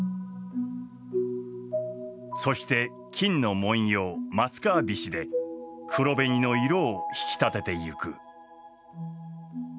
そして金の文様松皮菱で黒紅の色を引き立てていく。